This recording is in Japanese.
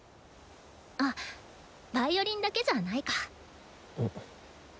あっヴァイオリンだけじゃないか。